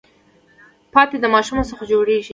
پاتی د ماشو څخه جوړیږي.